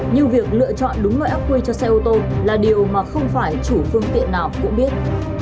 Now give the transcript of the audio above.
nhưng việc lựa chọn đúng loại ác quy cho xe ô tô là điều mà không phải chủ phương tiện nào cũng biết